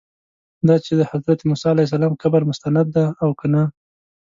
دا چې د حضرت موسی علیه السلام قبر مستند دی او که نه.